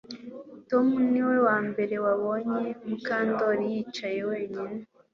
Tom niwe wambere wabonye Mukandoli yicaye wenyine